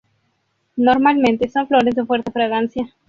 Normalmente son flores de fuerte fragancia.